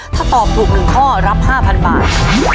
ถ้าตอบถูก๑ข้อรับ๕๐๐บาท